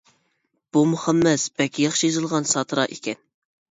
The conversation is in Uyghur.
بۇ مۇخەممەس بەك ياخشى يېزىلغان ساتىرا ئىكەن.